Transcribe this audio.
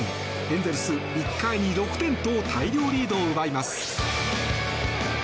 エンゼルス、１回に６点と大量リードを奪います。